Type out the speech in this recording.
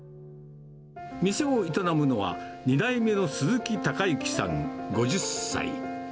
店を営むのは、２代目の鈴木孝幸さん５０歳。